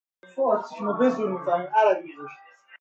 حسابداری تعهدی